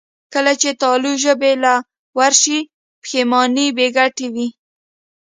کله چې تالو ژبې له ورشي، پښېماني بېګټې وي.